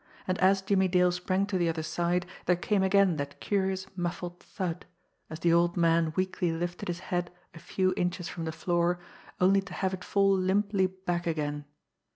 And as Jimmie Dale sprang to the other's side, there came again that curious muffled thud as the old man weakly lifted his head a few inches from the floor only to have it fall limply back again.